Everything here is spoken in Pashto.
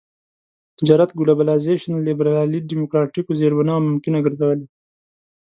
تجارت ګلوبلایزېشن لېبرالي ډيموکراټيکو زېربناوو ممکنه ګرځولي.